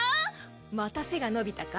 また背が伸びたか？